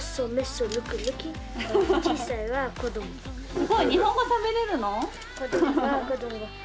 すごい！日本語しゃべれるの？